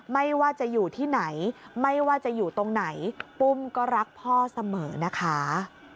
ไม่ว่าจะอยู่ที่ไหนไม่ว่าจะอยู่ตรงไหนปุ้มก็รักพ่อเสมอนะคะ